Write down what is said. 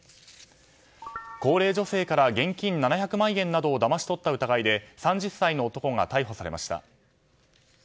高齢女性から現金７００万円などをだまし取った疑いで３０歳の男が逮捕されました。